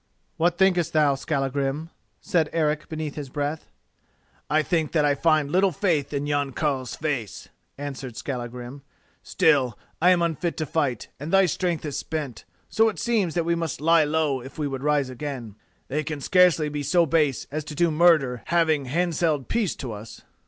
"What thinkest thou, Skallagrim?" said Eric beneath his breath. "I think that I find little faith in yon carle's face," answered Skallagrim. "Still, I am unfit to fight, and thy strength is spent, so it seems that we must lie low if we would rise again. They can scarcely be so base as to do murder having handselled peace to us."